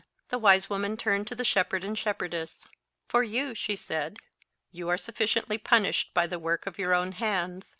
The wise woman turned to the shepherd and shepherdess. "For you," she said, "you are sufficiently punished by the work of your own hands.